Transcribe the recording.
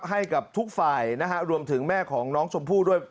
ให้กับทุกฝ่ายนะฮะรวมถึงแม่ของน้องชมพู่ด้วย